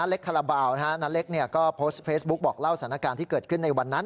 แล้วสถานการณ์ที่เกิดขึ้นในวัน